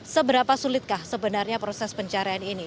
seberapa sulitkah sebenarnya proses pencarian ini